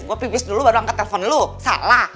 gue pipis dulu baru angka telepon lu salah